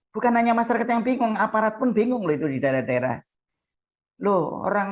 bukan hanya masyarakat yang bingung aparat pun bingung di daerah daerah